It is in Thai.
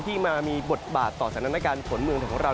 มามีบทบาทต่อสถานการณ์ฝนเมืองไทยของเรา